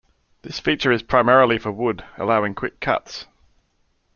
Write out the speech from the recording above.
This feature is primarily for wood, allowing quick cuts.